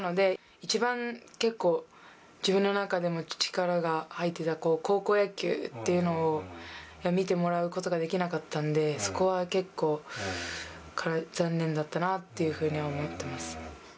一番結構、自分の中でも力が入っていた高校野球っていうのを、見てもらうことができなかったんで、そこは結構、残念だったなぁっていうふうには思ってます。